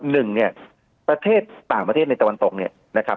หนึ่งเนี่ยประเทศต่างประเทศในตะวันตกเนี่ยนะครับ